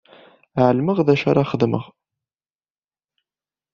Ɛelmeɣ d acu ara xedmeɣ.